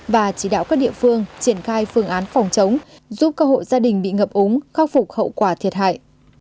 và chỉ đạo các địa phương triển khai phương án phòng chống giúp các hộ gia đình bị ngập úng khắc phục hậu quả thiệt hại